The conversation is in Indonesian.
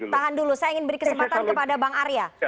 tahan dulu saya ingin beri kesempatan kepada bang arya